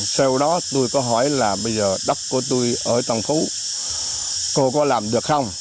sau đó tôi có hỏi là bây giờ đất của tôi ở tân phú cô có làm được không